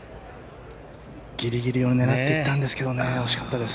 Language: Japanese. ギリギリを狙っていったんですが惜しかったです。